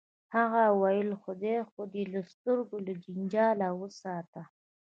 هغه ویل خدای خو دې د سترګو له جنجاله وساته